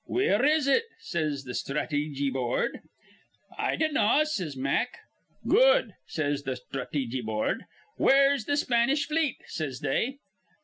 'Where is it?' says th' Sthrateejy Board. 'I dinnaw,' says Mack. 'Good,' says th' Sthrateejy Board. 'Where's th' Spanish fleet?' says they.